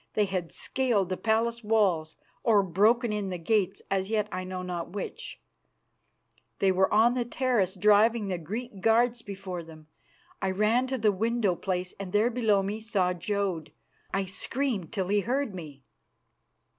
They had scaled the palace walls or broken in the gates as yet I know not which they were on the terrace driving the Greek guards before them. I ran to the window place and there below me saw Jodd. I screamed till he heard me.